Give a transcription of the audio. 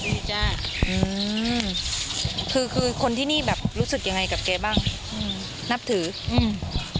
จ้าอืมคือคือคนที่นี่แบบรู้สึกยังไงกับแกบ้างอืมนับถืออืม